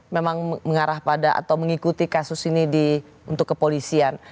memang mengarah pada atau mengikuti kasus ini untuk kepolisian